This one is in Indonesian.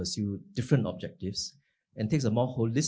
untuk mengejar objektif yang berbeda dan memakai